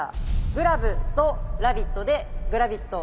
グラブとラビットでグラビット。